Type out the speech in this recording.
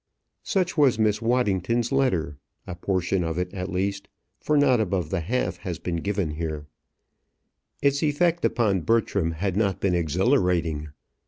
Such was Miss Waddington's letter; a portion of it, at least, for not above the half has been given here. Its effect upon Bertram had not been exhilarating.